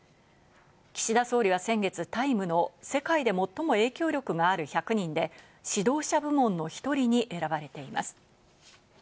岸田総理は先月『ＴＩＭＥ』の、世界で最も影響力がある１００人で、指導者部門の１人に選ばれています。